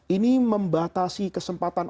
ini membatasi kesempatan